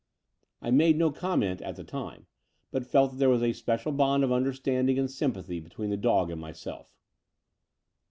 I made no comment at the time, but felt that there was a special bond of under standing and sympathy between the dog and my self.